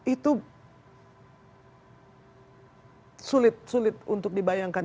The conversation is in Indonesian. itu sulit untuk dibayangkan